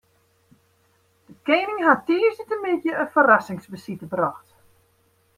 De koaning hat tiisdeitemiddei in ferrassingsbesite brocht.